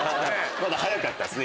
まだ早かったですね